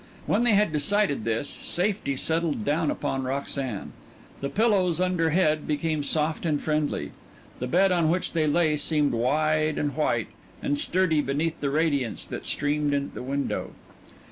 When they had decided this safety settled down upon Roxanne. The pillows underhead became soft and friendly; the bed on which they lay seemed wide, and white, and sturdy beneath the radiance that streamed in at the window.